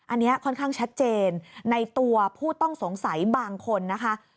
อันนี้ค่อนข้างชัดเจนในตัวผู้ต้องสงสัยบางคนนะคะ